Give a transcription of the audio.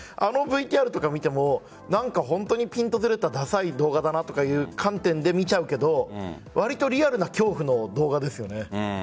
あのＶＴＲとかを見ても本当にピントずれた打算ではないかなという観点で見ちゃうけど割とリアルな恐怖の動画ですよね。